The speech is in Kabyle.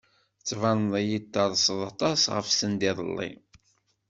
Tettbaneḍ-iyi-d terseḍ aṭas ɣef send iḍelli.